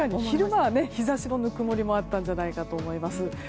昼は日差しのぬくもりもあったんじゃないかと思います。